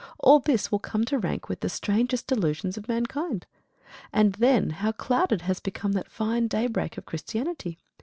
all this will come to rank with the strangest delusions of mankind. And then how clouded has become that fine daybreak of Christianity!